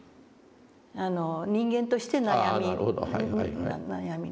人間として悩み悩みのね。